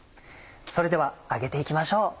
それでは揚げて行きましょう。